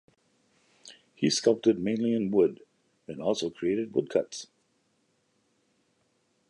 He sculpted mainly in wood and also created woodcuts.